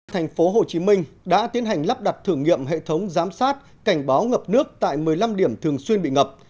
thành phố hồ chí minh đã tiến hành lắp đặt thử nghiệm hệ thống giám sát cảnh báo ngập nước tại một mươi năm điểm thường xuyên bị ngập